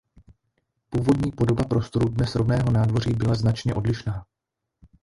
Původní podoba prostoru dnes rovného nádvoří byla značně odlišná.